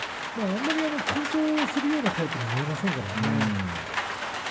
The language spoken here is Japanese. あまり緊張するようなタイプには見えませんね。